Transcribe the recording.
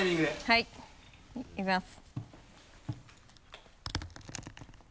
はいいきます。